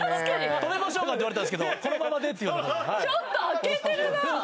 「止めましょうか？」って言われたんですけどこのままでということではいちょっと開けてるな！